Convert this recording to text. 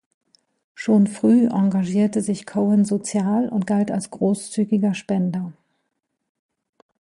Schon früh engagierte sich Cohen sozial und galt als großzügiger Spender.